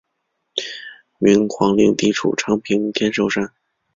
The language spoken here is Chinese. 明皇陵地处昌平天寿山。